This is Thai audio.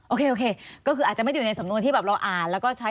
โอเคโอเคก็คืออาจจะไม่ได้อยู่ในสำนวนที่แบบเราอ่านแล้วก็ใช้